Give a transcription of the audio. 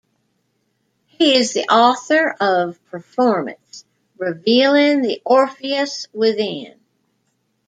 He is the author of "Performance: revealing the Orpheus within".